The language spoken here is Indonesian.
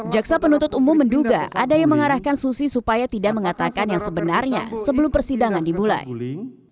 jaksa penuntut umum menduga ada yang mengarahkan susi supaya tidak mengatakan yang sebenarnya sebelum persidangan dimulai